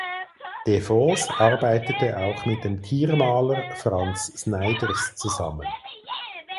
De Vos arbeitete auch mit dem Tiermaler Frans Snyders zusammen.